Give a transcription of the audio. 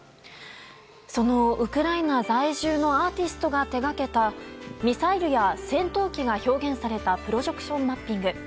そのウクライナ在住のアーティストが手掛けたミサイルや戦闘機が表現されたプロジェクションマッピング。